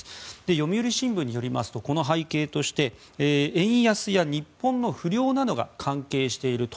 読売新聞によりますとこの背景として円安や日本の不漁などが関係していると。